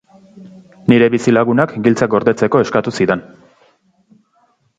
Nire bizilagunak giltzak gordetzeko eskatu zidan.